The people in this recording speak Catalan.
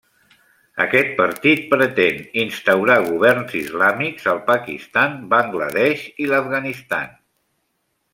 Aquest partit pretén instaurar governs islàmics al Pakistan, Bangla Desh i l'Afganistan.